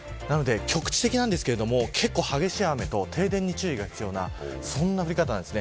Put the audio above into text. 局地的ですが結構激しい雨と停電に注意が必要なそんな降り方です。